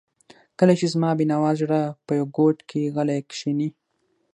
کله چې زما بېنوا زړه په یوه ګوټ کې غلی کښیني.